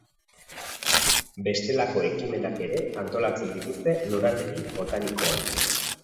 Bestelako ekimenak ere antolatzen dituzte lorategi botanikoan.